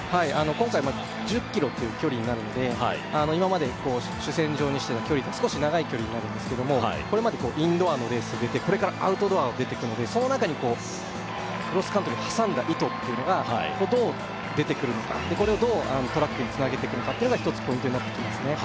今回１０ｋｍという距離になるので今まで主戦場にしてた距離と少し長い距離になるんですけどもこれまでインドアのレースに出てこれからアウトドアを出てくのでその中にクロスカントリーを挟んだ意図っていうのがどう出てくるのかこれをどうトラックにつなげてくのかっていうのが一つポイントになってきますね